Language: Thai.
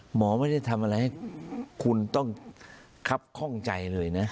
หมอไม่ได้ทำอะไรให้คุณต้องครับข้องใจเลยนะ